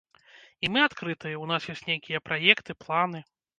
І мы адкрытыя, у нас ёсць нейкія праекты, планы.